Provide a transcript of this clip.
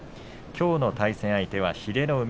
きょうの対戦相手は英乃海。